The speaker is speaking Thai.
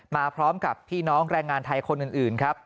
มาพร้อมกับพี่น้องแรงงานไทยคนอื่นครับ